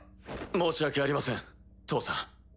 申し訳ありません父さん。